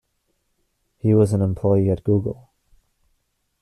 He was an employee at Google.